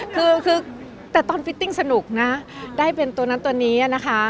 คือแต่ตอนฟิตติ้งสนุกนะได้เป็นตัวนั้นตัวนี้นะคะ